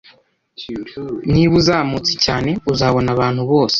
Niba uzamutse cyane uzabona abantu bose